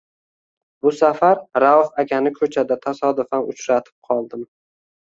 Bu safar Rauf akani ko’chada tasodifan uchratib qoldim.